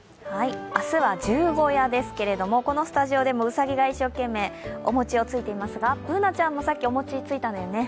明日は十五夜ですけれども、このスタジオでもうさぎが一生懸命、お餅をついていますが、Ｂｏｏｎａちゃんもさっき、お餅ついたんだよね。